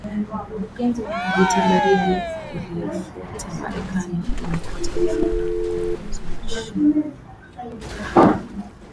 vita baridi iliyofuata Marekani ilikuwa taifa la kuongoza nchi